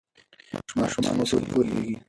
ماشومان اوس ښه پوهېږي.